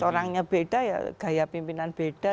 orangnya beda ya gaya pimpinan beda